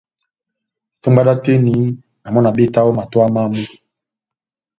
Itómba dá oteni, na mɔ́ na betaha ó matowa mámu.